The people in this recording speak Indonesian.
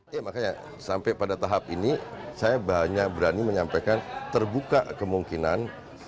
ya makanya sampai pada tahap ini saya hanya berani menyampaikan terbuka kemungkinan